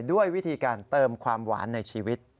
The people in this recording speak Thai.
ด้วยวิธีการเติมความหวานในชีวิต